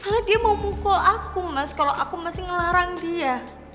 karena dia mau mukul aku mas kalau aku masih ngelarang dia